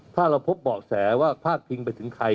ถ้าเราพบเบาะแสว่าพาดพิงไปถึงใคร